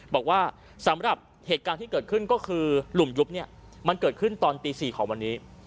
บอกว่าสำหรับเหตุการณ์ที่เกิดขึ้นก็คือหลุมยุบเนี่ยมันเกิดขึ้นตอนตี๔ของวันนี้